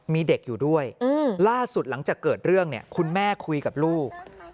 มีเด็กอยู่ด้วยล่าสุดหลังจากเกิดเรื่องเนี่ยคุณแม่คุยกับลูก